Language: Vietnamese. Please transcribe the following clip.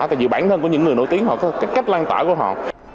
tại vì bản thân của những người nổi tiếng họ có cái cách lan tỏa của họ